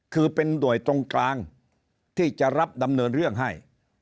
คือเป็นหน่วยตรงกลางที่จะรับดำเนินเรื่องให้